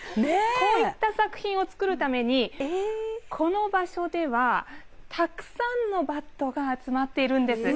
こういった作品を作るためにこの場所ではたくさんのバットが集まっているんです。